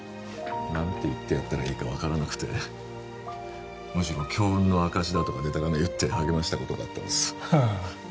何て言ってやったらいいか分からなくてむしろ強運の証しだとかでたらめ言って励ましたことがあったんですへえ